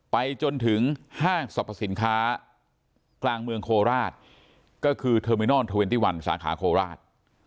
ไปจนถึงห้างศอบตรศิลการ์กลางเมืองโคราทก็คือเทอร์มินอลท์๒๑สาขาโคราท